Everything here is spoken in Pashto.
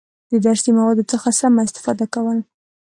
د درسي موادو څخه سمه استفاده کول،